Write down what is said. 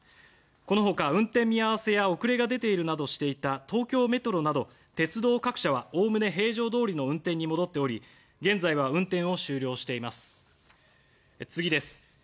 この他、運転見合わせや遅れが出ているなどしていた東京メトロなど鉄道各社はおおむね平常通りの運転に戻っており現在は運転を終了しています。